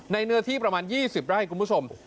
เนื้อที่ประมาณ๒๐ไร่คุณผู้ชม